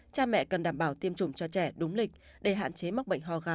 cha mẹ cần đảm bảo tiêm chủng cho trẻ đúng lịch để hạn chế mắc bệnh ho gà